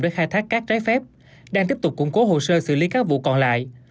để khai thác cát trái phép đang tiếp tục củng cố hồ sơ xử lý các vụ còn lại